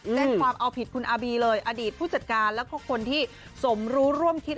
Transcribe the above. แจ้งความเอาผิดคุณอาบีเลยอดีตผู้จัดการแล้วก็คนที่สมรู้ร่วมคิด